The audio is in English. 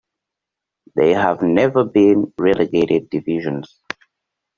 They have never been relegated divisions.